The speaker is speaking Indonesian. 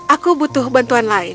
aku butuh bantuan lain